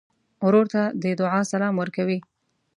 ورور ته د دعا سلام ورکوې.